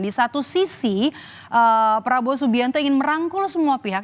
di satu sisi prabowo subianto ingin merangkul semua pihak